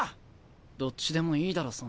どっちでもいいだろそんなの。